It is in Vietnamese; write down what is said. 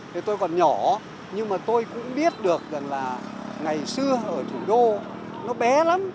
thì tôi còn nhỏ nhưng mà tôi cũng biết được rằng là ngày xưa ở thủ đô nó bé lắm